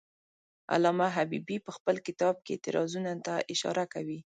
علامه حبیبي په خپل کتاب کې اعتراضونو ته اشاره کوي.